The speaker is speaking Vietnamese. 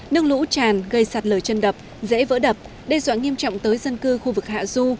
nước lũ tràn gây sạt lở chân đập dễ vỡ đập đe dọa nghiêm trọng tới dân cư khu vực hạ du